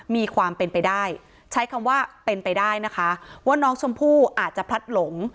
มีความเป็นไปได้ใช้คำว่าเป็นไปได้นะคะว่าน้องชมพู่อาจจะพลัดหลง